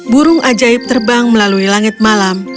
burung ajaib terbang melalui langit malam